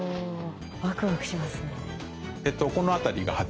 ワクワクしますね。